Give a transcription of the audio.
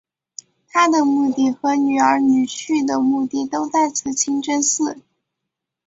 她的墓地和女儿女婿的墓地都在此清真寺。